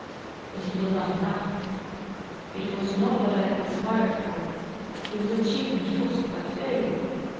But it was not enough ; it was not what 1 had aspired for ; it was achievement frosted by failure.